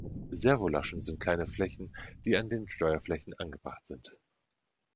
Servolaschen sind kleine Flächen, die an den Steuerflächen angebracht sind.